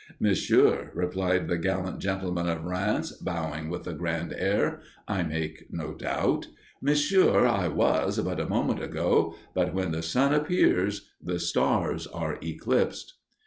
"Monsieur," replied the gallant gentleman of Rheims, bowing with a grand air, I make no doubt, "Monsieur, I was but a moment ago; but when the sun appears, the stars are eclipsed."